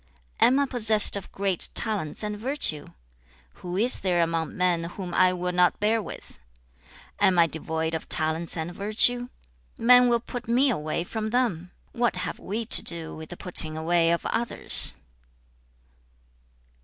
Am I possessed of great talents and virtue? who is there among men whom I will not bear with? Am I devoid of talents and virtue? men will put me away from them. What have we to do with the putting away of others?'